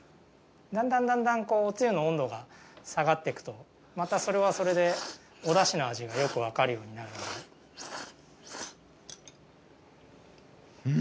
だんだんだんだんおつゆの温度が下がっていくとまたそれはそれでおだしの味がよくわかるようになるので。